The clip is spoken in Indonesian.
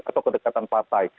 atau kedekatan partai